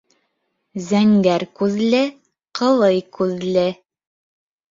Зәңгәр күҙле, ҡылый күҙле.